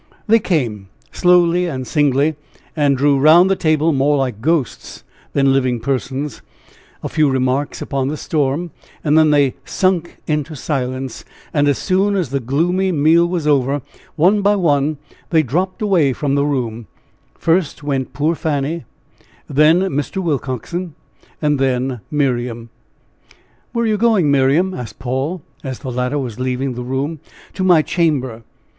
They came, slowly and singly, and drew around the table more like ghosts than living persons, a few remarks upon the storm, and then they sunk into silence and as soon as the gloomy meal was over, one by one they dropped away from the room first went poor Fanny, then Mr. Willcoxen, then Miriam. "Where are you going, Miriam?" asked Paul, as the latter was leaving the room. "To my chamber."